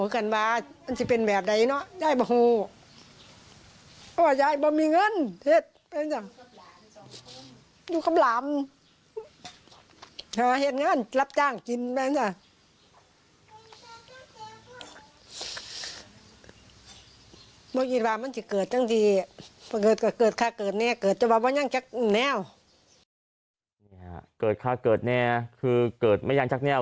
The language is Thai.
เกิดค่าเกิดแนวคือเกิดไม่ยังชักแนว